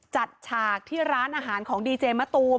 ฉากที่ร้านอาหารของดีเจมะตูม